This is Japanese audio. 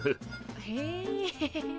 へえ。